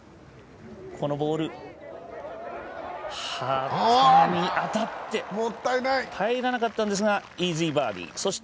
このボール、当たって入らなかったんですが、イージーバーディー。